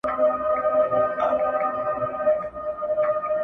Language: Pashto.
اړولي يې پيسې وې تر ملكونو!!!!!